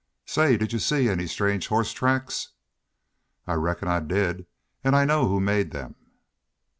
"Say, did you see any strange horse tracks?" "I reckon I did. And I know who made them."